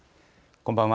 こんばんは。